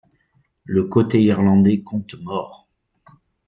Le côté irlandais compte morts.